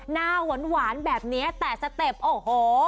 หน้าหวานแบบนี้แต่สเต็ปโอ้โห